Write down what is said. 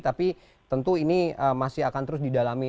tapi tentu ini masih akan terus didalami